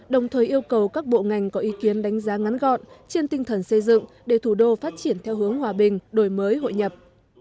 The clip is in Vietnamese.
đồng thời yêu cầu các bộ ngành có ý kiến đánh giá ngắn gọn trên tinh thần xây dựng để thủ đô phát triển theo hướng hòa bình đổi mới hội nhập